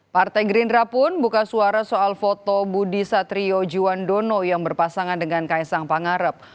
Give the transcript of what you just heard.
partai gerindra pun buka suara soal foto budi satrio juwandono yang berpasangan dengan kaisang pangarep